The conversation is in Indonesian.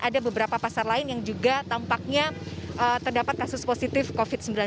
ada beberapa pasar lain yang juga tampaknya terdapat kasus positif covid sembilan belas